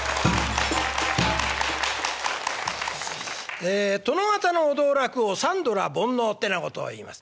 ええ殿方のお道楽を三道楽煩悩ってなことを言います。